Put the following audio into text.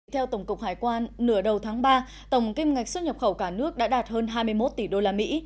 theo tổng cục hải quan nửa đầu tháng ba tổng kim ngạch xuất nhập khẩu cả nước đã đạt hơn hai mươi một tỷ đô la mỹ